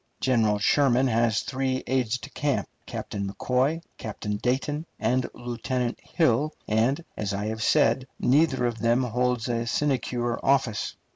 General Sherman has three aides de camp, Captain McCoy, Captain Dayton, and Lieutenant Hill, and, as I have said, neither of them holds a sinecure office.